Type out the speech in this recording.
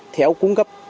theo cung cấp